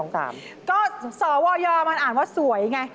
ก็สวยมันอ่านว่าสวยไง